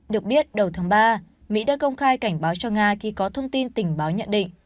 được biết đầu tháng ba mỹ đã công khai cảnh báo cho nga khi có thông tin tình báo nhận định